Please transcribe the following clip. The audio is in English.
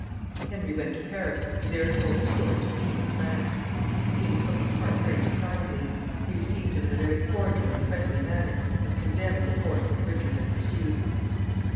Henry went to Paris, and there told his story to the King of France. The king took his part very decidedly. He received him in a very cordial and friendly manner, and condemned the course which Richard had pursued.